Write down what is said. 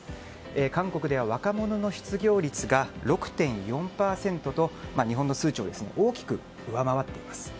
韓国では若者の失業率が６．４％と日本の数値を大きく上回っています。